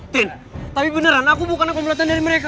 tin tapi beneran aku bukan akumulatan dari mereka